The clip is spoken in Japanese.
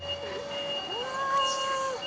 うわ！